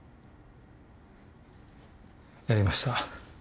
やりました。